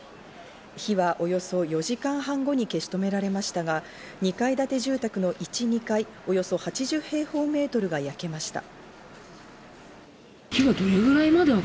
火はおよそ４時間半後に消し止められましたが、２階建て住宅の１・２階、およそ８０平方メートルが焼けました。